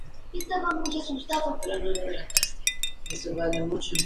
Chaney nació en Oklahoma City, Oklahoma y murió en San Clemente, California.